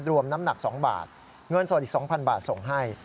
น้ำหนัก๒บาทเงินสดอีก๒๐๐บาทส่งให้